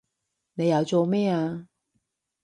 你又做咩啊